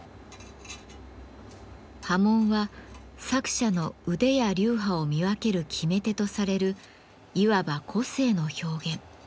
刃文は作者の腕や流派を見分ける決め手とされるいわば個性の表現。